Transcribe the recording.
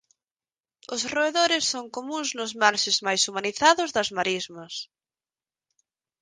Os roedores son comúns nos marxes mais humanizados das marismas.